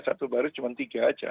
satu baris cuma tiga aja